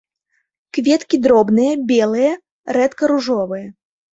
Кветкі дробныя, белыя, рэдка ружовыя.